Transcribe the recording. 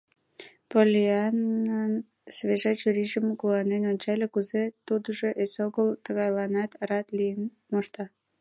Поллианнан свежа чурийжым куанен ончале — кузе тудыжо эсогыл тыгайланат рат лийын мошта?!.